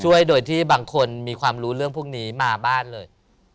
ช่วยโดยที่บางคนมีความรู้เรื่องพวกนี้มาบ้านเลย